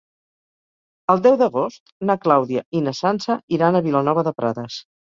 El deu d'agost na Clàudia i na Sança iran a Vilanova de Prades.